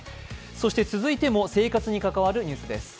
そして続いても生活に関わるニュースです。